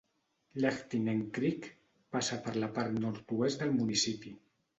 Lehtinen Creek passa per la part nord-oest del municipi.